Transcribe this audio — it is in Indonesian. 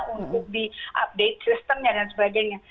untuk di update sistemnya dan sebagainya